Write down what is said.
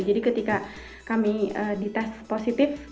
jadi ketika kami di test positif